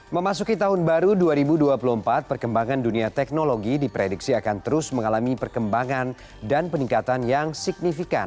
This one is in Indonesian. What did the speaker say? memasuki tahun baru dua ribu dua puluh empat perkembangan dunia teknologi diprediksi akan terus mengalami perkembangan dan peningkatan yang signifikan